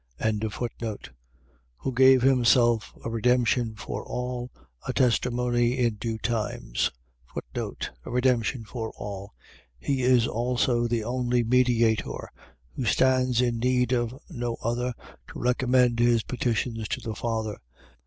2:6. Who gave himself a redemption for all, a testimony in due times. a redemption for all. .. He is also the only mediator, who stands in need of no other to recommend his petitions to the Father.